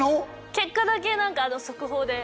結果だけ速報で。